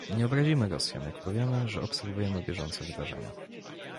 Nie obrazimy Rosjan, jak powiemy, że obserwujemy bieżące wydarzenia